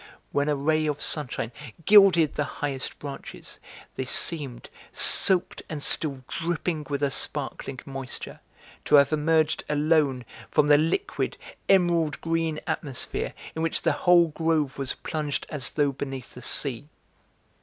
When a ray of sunshine gilded the highest branches, they seemed, soaked and still dripping with a sparkling moisture, to have emerged alone from the liquid, emerald green atmosphere in which the whole grove was plunged as though beneath the sea.